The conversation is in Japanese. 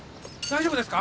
大丈夫です。